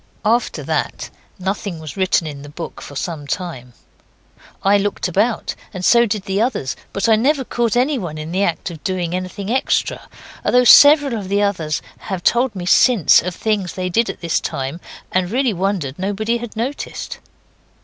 After that nothing was written in the book for some time. I looked about, and so did the others, but I never caught anyone in the act of doing anything extra; though several of the others have told me since of things they did at this time, and really wondered nobody had noticed.